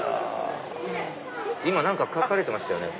今何か描かれてましたよね？